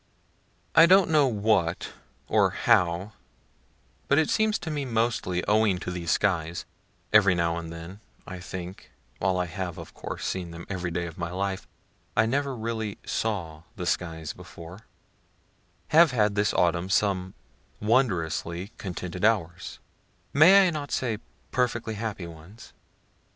I don't know what or how, but it seems to me mostly owing to these skies, (every now and then I think, while I have of course seen them every day of my life, I never really saw the skies before,) have had this autumn some wondrously contented hours may I not say perfectly happy ones?